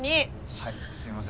はいすみません。